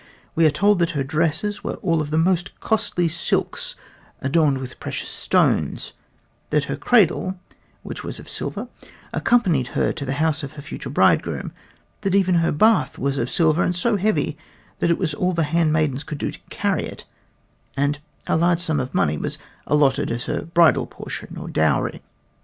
We are told that her dresses were all of the most costly silks adorned with precious stones, that her cradle, which was of silver, accompanied her to the house of the future bridegroom, that even her bath was of silver and so heavy that it was all that her handmaidens could do to carry it, and a large sum of money was allotted as her bridal portion or dowry.